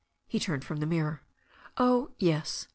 He turned from the mirror. "Oh, yes."